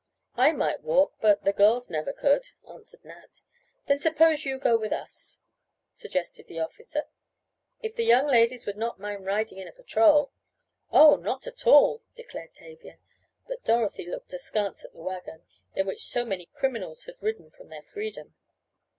"I might walk, but the girls never could," answered Nat. "Then suppose you go with us?" suggested the officer. "If the young ladies would not mind riding in a patrol." "Oh, not at all," declared Tavia, but Dorothy looked askance at the wagon, in which so many criminals had ridden from their freedom.